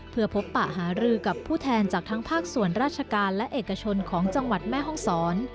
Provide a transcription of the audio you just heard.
เพื่อพบปะหารือกับผู้แทนจากทั้งภาคส่วนราชการและเอกชนของจังหวัดแม่ห้องศร